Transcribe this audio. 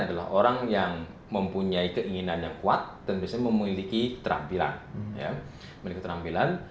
adalah orang yang mempunyai keinginan yang kuat dan biasanya memiliki keterampilan memiliki keterampilan